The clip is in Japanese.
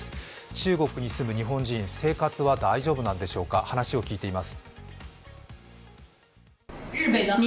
中国に住む日本人、生活は大丈夫なんでしょうか、話を聞いています。